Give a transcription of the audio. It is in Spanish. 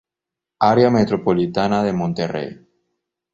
Área Metropolitana de Monterrey.